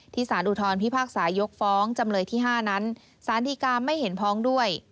สารอุทธรพิพากษายกฟ้องจำเลยที่๕นั้นสารดีกาไม่เห็นฟ้องด้วย